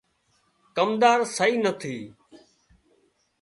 ڪمۮار سئي نٿي